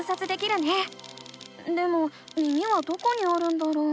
でも耳はどこにあるんだろう？